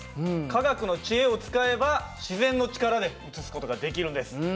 科学の知恵を使えば自然の力で移す事ができるんです。